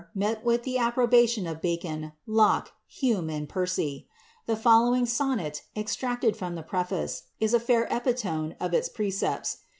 mel with ihe approtiatioa tl Bacon, Locke, Hume, and Percy. The following aonnei, eiincted tttm ihe preface, is a bir epiionie <^ its precepts.